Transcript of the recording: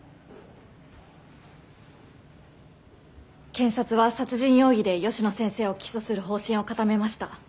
検察は殺人容疑で吉野先生を起訴する方針を固めました。